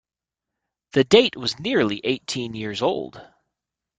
The date was nearly eighteen years old.